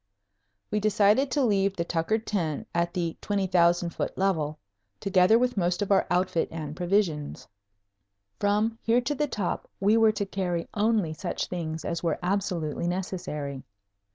We decided to leave the Tucker tent at the 20,000 foot level, together with most of our outfit and provisions. From here to the top we were to carry only such things as were absolutely necessary.